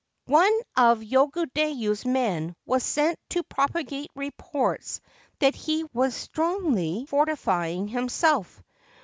One ol Yogodayu's men was sent to propagate reports that he was strongly fortifying himself.